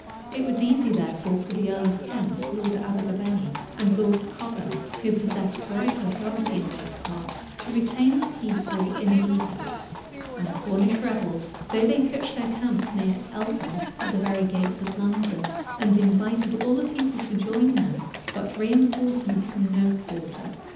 It was easy, therefore, for the earl of Kent, Lord Abergavenny, and Lord Cobham, who possessed great authority in those parts, to retain the people in obedience; and the Cornish rebels, though they pitched their camp near Eltham, at the very gates of London, and invited all the people to join them, got reënforcement from no quarter.